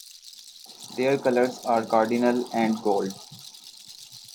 Their colors are cardinal and gold.